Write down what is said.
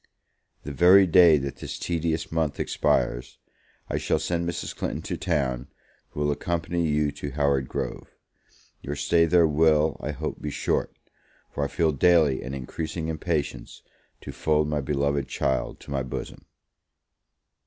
The very day that this tedious month expires, I shall send Mrs. Clinton to town, who will accompany you to Howard Grove. Your stay there will, I hope, be short; for I feel daily an increasing impatience to fold my beloved child to my bosom!